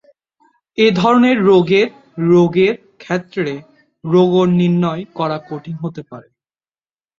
এ ধরনের রোগের রোগের ক্ষেত্রে রোগননির্ণয় করা কঠিন হতে পারে।